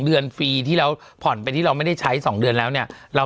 เดือนฟรีที่เราผ่อนไปที่เราไม่ได้ใช้๒เดือนแล้วเนี่ย